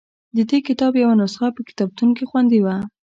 د دې کتاب یوه نسخه په کتابتون کې خوندي وه.